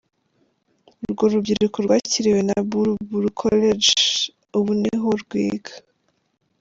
Urwo rubyiruko rwakiriwe na Buru Buru College ubu niho rwiga.